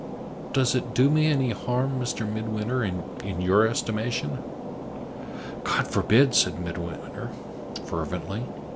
Does it do me any harm, Mr. Midwinter, in your estimation?" "God forbid!" said Midwinter, fervently.